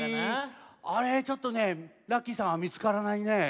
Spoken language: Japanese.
あれちょっとねラッキィさんはみつからないね。